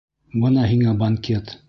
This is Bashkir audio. Бына һиңә банкет!